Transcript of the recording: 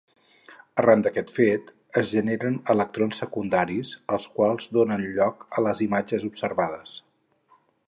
Arran d'aquest fet, es generen electrons secundaris, els quals donen lloc a les imatges observades.